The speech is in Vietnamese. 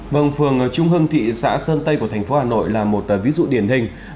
vâng phường trung hưng thị xã sơn tây của thành phố hà nội là một ví dụ điển hình